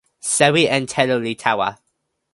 sewi en telo li tawa.